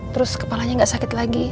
terus kepalanya nggak sakit lagi